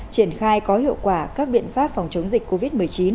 triển khai có hiệu quả các biện pháp phòng chống dịch covid một mươi chín